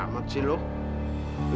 amat sih lu